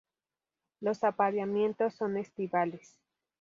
Los apareamientos son estivales.